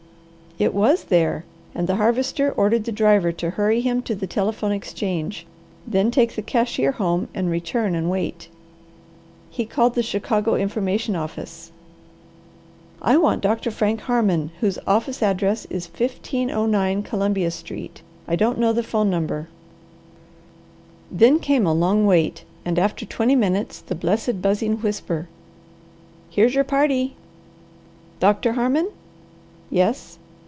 It was there, and the Harvester ordered the driver to hurry him to the telephone exchange, then take the cashier home and return and wait. He called the Chicago Information office. "I want Dr. Frank Harmon, whose office address is 1509 Columbia Street. I don't know the 'phone number." Then came a long wait, and after twenty minutes the blessed buzzing whisper, "Here's your party." "Doctor Harmon?" "Yes."